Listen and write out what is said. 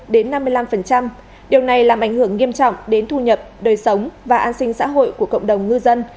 điều này làm ảnh hưởng nghiêm trọng đến thu nhập đời sống và an sinh xã hội của cộng đồng ngư dân